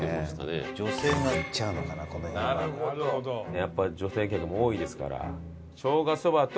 やっぱ女性客も多いですから。